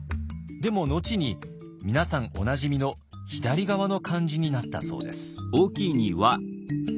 でも後に皆さんおなじみの左側の漢字になったそうです。